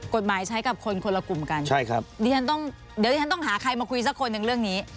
กฎหมายใช้กับคนคนละกลุ่มกันใช่ครับดิฉันต้องเดี๋ยวที่ฉันต้องหาใครมาคุยสักคนหนึ่งเรื่องนี้